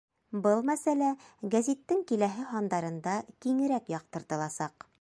Был мәсьәлә гәзиттең киләһе һандарында киңерәк яҡтыртыласаҡ.